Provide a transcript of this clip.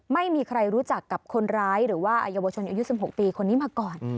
ไม่มีใครรู้จักกับคนร้ายหรือว่าเยาวชนอายุ๑๖ปีคนนี้มาก่อน